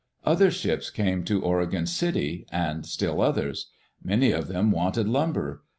Other ships came to Oregon City, and still others. Many of them wanted lumber.